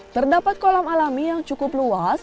terdapat kolam alami yang cukup luas